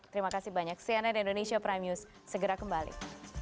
terima kasih banyak cnn indonesia prime news segera kembali